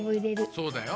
そうだよ。